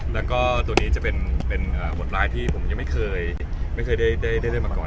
แล้วก็ตัวนี้จะเป็นหมดลายที่ผมไม่เคยได้เรียนมาก่อน